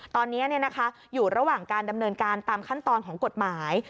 ตอนนี้อยู่ระหว่างการดำเนินการตามขั้นตอนของกฎหมาย